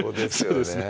そうですね